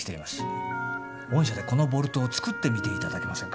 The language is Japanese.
御社でこのボルトを作ってみていただけませんか？